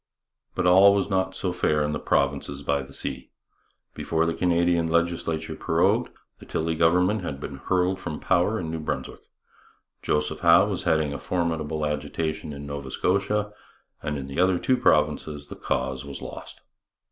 But all was not so fair in the provinces by the sea. Before the Canadian legislature prorogued, the Tilley government had been hurled from power in New Brunswick, Joseph Howe was heading a formidable agitation in Nova Scotia, and in the other two provinces the cause was lost.